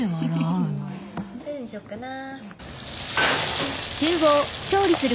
どれにしよっかな。